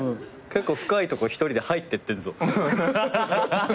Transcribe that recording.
結構深いとこ１人で入ってってるぞ。